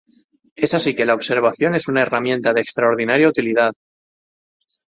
Es así que la observación es una herramienta de extraordinaria utilidad.